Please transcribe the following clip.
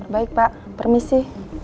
baik pak permisi